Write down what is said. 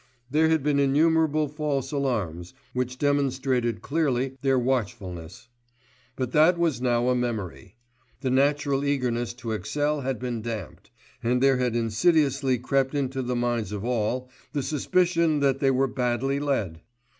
There had been innumerable false alarms, which demonstrated clearly their watchfulness. But that was now a memory. The natural eagerness to excel had been damped, and there had insidiously crept into the minds of all the suspicion that they were badly led.